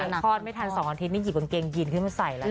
ใช่คลอดไม่ทันสองสัปดาห์นี้นี่หยิบกางเกงยีนขึ้นมาใส่แล้ว